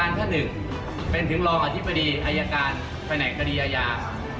มีน่ายการขนินกับนะค์เป็นถึงรองอธิบดีอายการในการีอาหาร